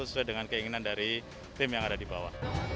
sesuai dengan keinginan dari tim yang ada di bawah